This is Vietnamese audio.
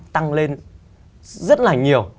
tăng lên rất là nhiều